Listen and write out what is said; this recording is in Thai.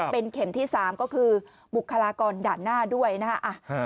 เป็นเข็มที่๓ก็คือบุคลากรด่านหน้าด้วยนะฮะ